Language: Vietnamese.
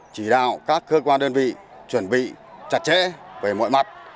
chỉ đạo các cơ quan đơn vị chuẩn bị chặt chẽ về mọi mặt